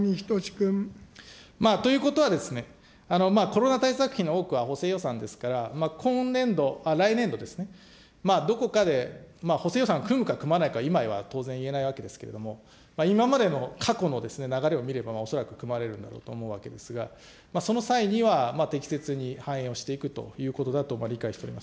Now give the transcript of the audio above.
ということはですね、コロナ対策費の多くは補正予算ですから、今年度、来年度ですね、どこかで補正予算を組むか組まないか、今は当然言えないわけですけれども、今までの過去の流れを見れば恐らく組まれるだろうと思うわけですが、その際には適切に反映をしていくということだと理解しております。